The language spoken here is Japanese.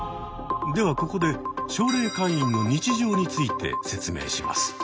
ではここで奨励会員の日常について説明します。